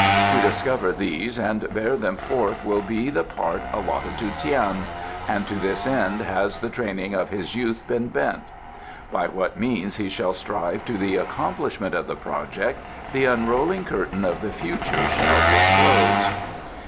To discover these and bear them forth will be the part allotted to Tian, and to this end has the training of his youth been bent. By what means he shall strive to the accomplishment of the project the unrolling curtain of the future shall disclose."